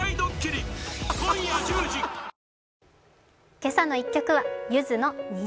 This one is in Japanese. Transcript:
「けさの１曲」はゆずの「虹」。